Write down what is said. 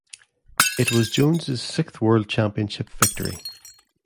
It was Jones' sixth World Championship victory.